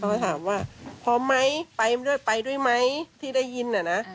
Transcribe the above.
เขาก็ถามว่าพร้อมไหมไปด้วยไหมที่ได้ยิน